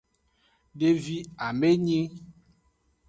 Devi amenyi.